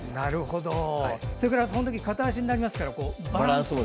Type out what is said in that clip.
それから、その時片脚になりますからバランス。